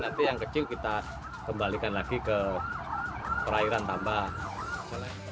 nanti yang kecil kita kembalikan lagi ke perairan tambahan